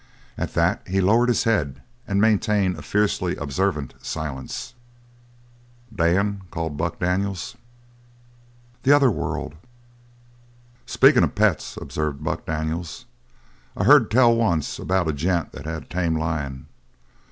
At that he lowered his head and maintained a fiercely observant silence. "Dan!" called Buck Daniels. The other whirled. "Speakin' of pets," observed Buck Daniels, "I heard tell once about a gent that had a tame lion.